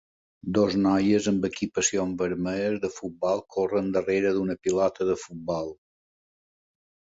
Dos noies amb equipacions vermelles de futbol corren darrere d'una pilota de futbol.